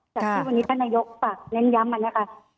จากที่วันนี้ท่านนายกฝากเน้นย้ำมานะคะ